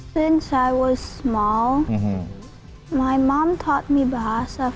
sejak saya kecil ibu saya dulu mengajar saya bahasa inggris